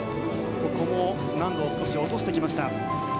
ここも難度を少し落としてきました。